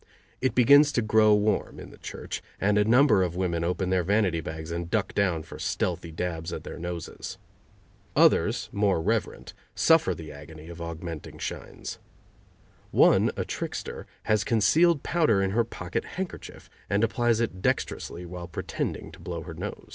It begins to grow warm in the church, and a number of women open their vanity bags and duck down for stealthy dabs at their noses. Others, more reverent, suffer the agony of augmenting shines. One, a trickster, has concealed powder in her pocket handkerchief, and applies it dexterously while pretending to blow her nose.